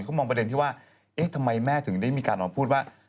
เขามองประเด็นที่ว่าเอ๊ะทำไมแม่ถึงได้มีการออกมาพูดว่า